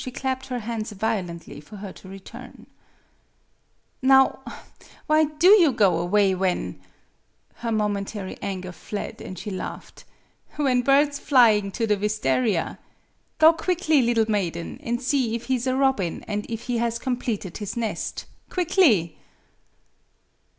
She clapped her hands violently for her to return. MADAME BUTTERFLY 17 " Now why do you go away when " her momentary anger fled, and she laughed "when birds flying to the wistaria? Go quickly, little maiden, and see if he is a robin, and if he has completed his nest quickly."